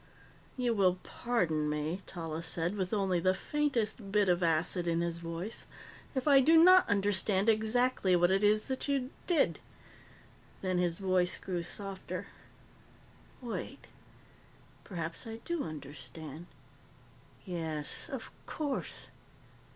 "You will pardon me," Tallis said, with only the faintest bit of acid in his voice, "if I do not understand exactly what it is that you did." Then his voice grew softer. "Wait. Perhaps I do understand. Yes, of course."